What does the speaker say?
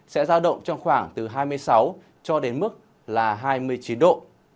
sẽ giao động trong khoảng từ hai mươi sáu cho đến mức là hai mươi chín độ